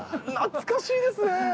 懐かしいですね。